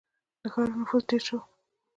• د ښارونو نفوس ډېر شو.